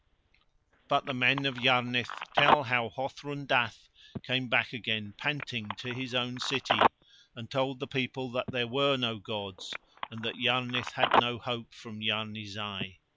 But the men of Yarnith tell how Hothrun Dath came back again panting to his own city, and told the people that there were no gods and that Yarnith had no hope from Yarni Zai.